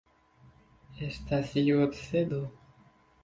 Estas iu obsedo.